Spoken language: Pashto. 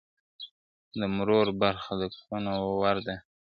د مرور برخه د کونه ور ده.